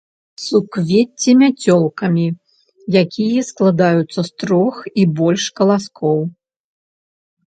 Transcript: Суквецці мяцёлкамі, якія складаюцца з трох і больш каласкоў.